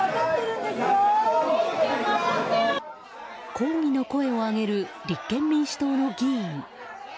抗議の声を上げる立憲民主党の議員。